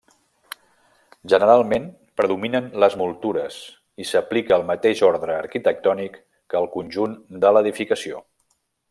Generalment predominen les moltures i s'aplica el mateix ordre arquitectònic que al conjunt de l'edificació.